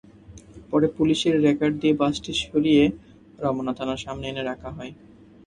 পরে পুলিশের রেকার দিয়ে বাসটি সরিয়ে রমনা থানার সামনে এনে রাখা হয়।